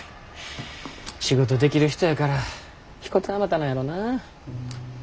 仕事できる人やから引く手あまたなんやろなぁ。